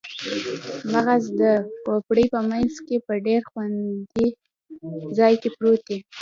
مغز د کوپړۍ په مینځ کې په ډیر خوندي ځای کې پروت دی